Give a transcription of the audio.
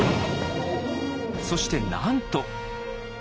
そしてなんと！